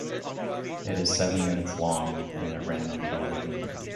It is seven minutes long, and it ran on television.